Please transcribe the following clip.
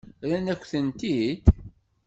Rran-akent-tent-id?